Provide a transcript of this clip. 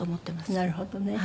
なるほどね。